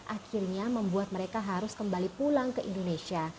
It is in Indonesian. akhirnya membuat mereka harus kembali pulang ke indonesia